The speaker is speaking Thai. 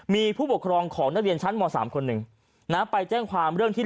มีผู้ปกครองของนักเรียนชั้นม๓คนหนึ่งนะไปแจ้งความเรื่องที่